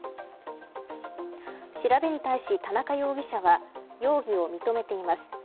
調べに対し田中容疑者は容疑を認めています。